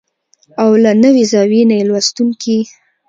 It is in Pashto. او له نوې زاويې نه يې لوستونکي